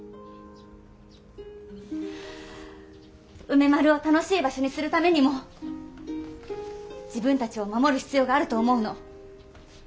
梅丸を楽しい場所にするためにも自分たちを守る必要があると思うの。